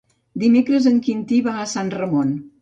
Dimecres en Quintí va a Sant Ramon.